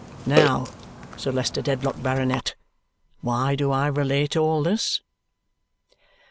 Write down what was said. Now, Sir Leicester Dedlock, Baronet, why do I relate all this?"